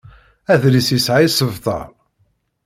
Adlis yesɛa isebtar.